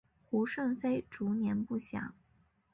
胡顺妃卒年不详。